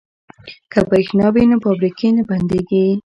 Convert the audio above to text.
که بریښنا وي نو فابریکې نه بندیږي.